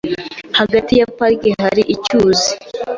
Hagati ya parike hari icyuzi .